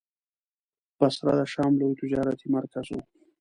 بصره د شام لوی تجارتي مرکز و.